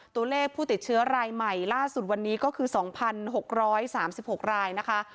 ตัวเลขผู้ติดเชื้อรายใหม่ล่าสุดวันนี้ก็คือ๒๖๓๖รายนะคะ